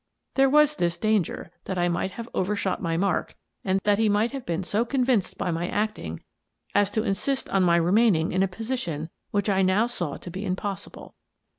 There was this danger, that I might have over shot my mark and that he might have been so con vinced by my acting as to insist on my remaining in a position which I now saw to be impossible.